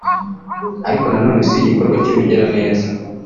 ariko nanone si igikorwa cy’ubugiraneza